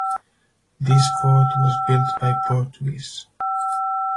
This fort was built by Portuguese.